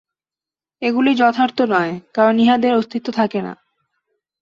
এগুলি যথার্থ নয়, কারণ ইহাদের অস্তিত্ব থাকে না।